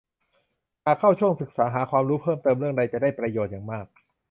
หากเข้าช่วงศึกษาหาความรู้เพิ่มเติมเรื่องใดจะได้ประโยชน์อย่างมาก